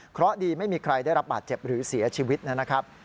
เพราะดีไม่มีใครได้รับบาดเจ็บหรือเสียชีวิตนะครับ